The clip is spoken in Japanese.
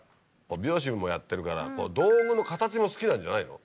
美容師もやってるから道具の形も好きなんじゃないの？